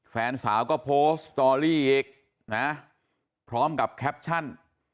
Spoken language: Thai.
แฟนสาวก็โพสต์สตอรี่อีกนะพร้อมกับแคปชั่น